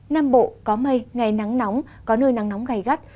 nam bộ có mây ngày nắng nóng có nơi nắng nóng gai gắt